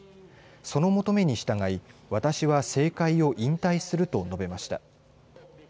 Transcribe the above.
その求めに従い私は政界を引退すると述べました。